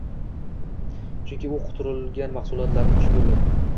- Chunki u quritilgan mahsulotlarni xush ko'rgan!